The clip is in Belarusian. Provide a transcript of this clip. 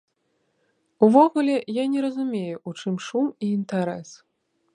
Увогуле, я не разумею, у чым шум і інтарэс.